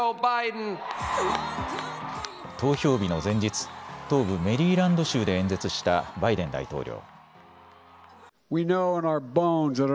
投票日の前日、東部メリーランド州で演説したバイデン大統領。